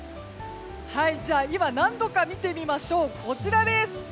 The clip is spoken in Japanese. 今、何度か見てみましょうこちらです。